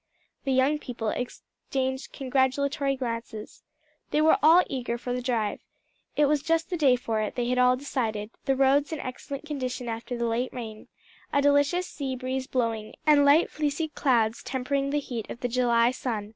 The young people exchanged congratulatory glances. They were all eager for the drive. It was just the day for it, they had all decided the roads in excellent condition after the late rain, a delicious sea breeze blowing, and light fleecy clouds tempering the heat of the July sun.